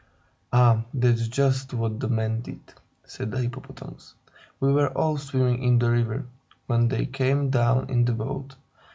"Ah, that's just what the men did," said the Hippopotamus. "We were all swimming in the river, when they came down in their boat.